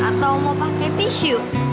atau mau pake tisu